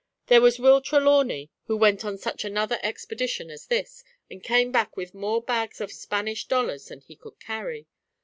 There was Will Trelawney, who went on such another expedition as this, and came back with more bags of Spanish dollars than he could carry.